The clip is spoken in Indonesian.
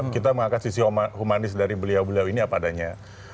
kita mengangkat sisi humanis dari beliau beliau ini apa adanya